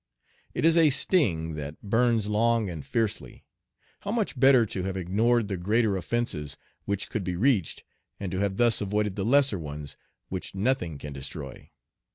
It is a sting that burns long and fiercely. How much better to have ignored the greater offences which could be reached, and to have thus avoided the lesser ones, which nothing can destroy!